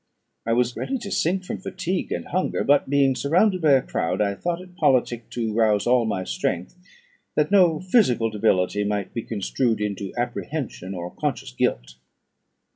I was ready to sink from fatigue and hunger; but, being surrounded by a crowd, I thought it politic to rouse all my strength, that no physical debility might be construed into apprehension or conscious guilt.